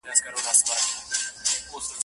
استاد د شاګرد نیمګړتیا څنګه روښانه کوي؟